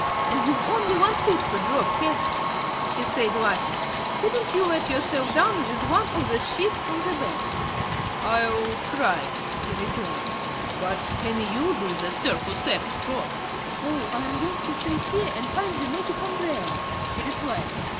"And you've only one foot to drop, Cap'n," she said, laughing. "Couldn't you let yourself down with one of the sheets from the bed?" "I'll try," he rejoined. "But, can you do that circus act, Trot?" "Oh, I'm goin' to stay here an' find the Magic Umbrella," she replied.